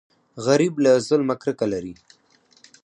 غریب له ظلمه کرکه لري